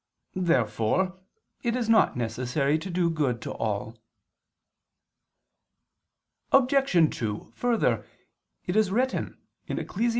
Therefore it is not necessary to do good to all. Obj. 2: Further, it is written (Ecclus.